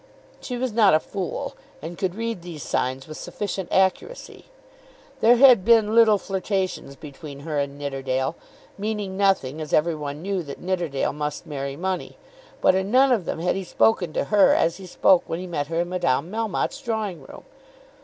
She was not a fool, and could read these signs with sufficient accuracy. There had been little flirtations between her and Nidderdale, meaning nothing, as every one knew that Nidderdale must marry money; but in none of them had he spoken to her as he spoke when he met her in Madame Melmotte's drawing room.